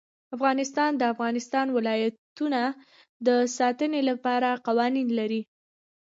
افغانستان د د افغانستان ولايتونه د ساتنې لپاره قوانین لري.